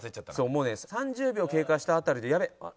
もうね３０秒経過した辺りで「やべっ！